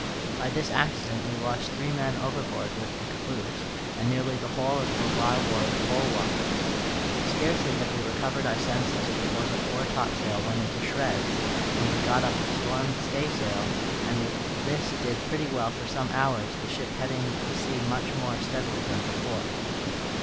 By this accident we lost three men overboard with the caboose, and nearly the whole of the larboard bulwarks. Scarcely had we recovered our senses before the foretopsail went into shreds, when we got up a storm staysail, and with this did pretty well for some hours, the ship heading the sea much more steadily than before.